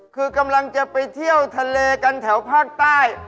คือกำลังจะไปเที่ยวทะเลกันแถวภาคใต้